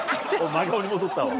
真顔に戻ったわ。